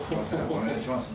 お願いします。